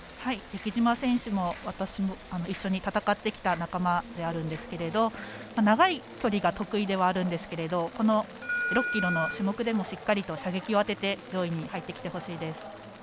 出来島選手も私も一緒に戦ってきた仲間でもあるんですけど長い距離が得意ではあるんですが６ｋｍの種目でもしっかりと射撃を当てて上位に入ってきてほしいです。